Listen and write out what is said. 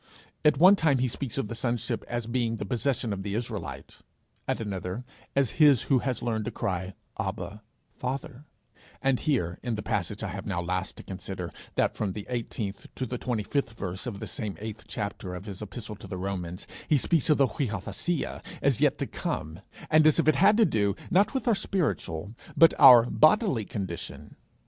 At one time he speaks of the sonship as being the possession of the Israelite, at another as his who has learned to cry Abba, Father; and here, in the passage I have now last to consider, that from the 18th to the 25th verse of this same eighth chapter of his epistle to the Romans, he speaks of the niothesia as yet to come and as if it had to do, not with our spiritual, but our bodily condition.